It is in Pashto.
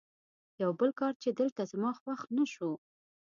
یو بل کار چې دلته زما خوښ نه شو.